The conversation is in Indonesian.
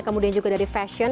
kemudian juga dari fashion